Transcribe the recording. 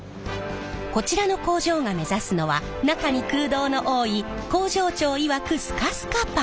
こちらの工場が目指すのは中に空洞の多い工場長いわく